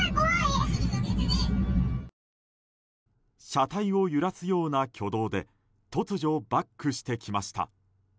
車体を揺らすような挙動で突如、バックしてきました。